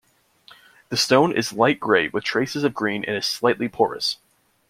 The stone is light grey with traces of green and is slightly porous.